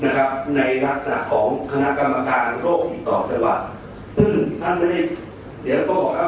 นะครับในลักษณะของคณะกรรมการโรคติดต่อจังหวัดซึ่งท่านไม่ได้เดี๋ยวก็อ่า